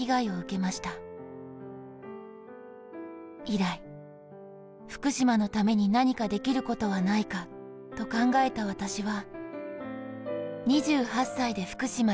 「以来、福島のためになにかできることはないかと考えた私は、」